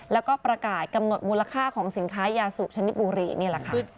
แล้วก็ประกาศกำหนดมูลค่าของสินค้ายาสูบชนิดบุรีนี่แหละค่ะ